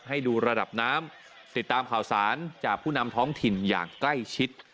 ให้ดูระดับน้ำติดตามข่าวสารจากผู้นำท้องถิ่นอย่างใกล้ชิด